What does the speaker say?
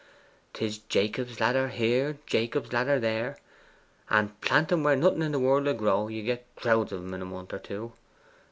'Tis Jacob's ladder here, Jacob's ladder there, and plant 'em where nothing in the world will grow, you get crowds of 'em in a month or two.